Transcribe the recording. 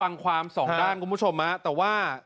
ฟังความสองด้านเพราะว่า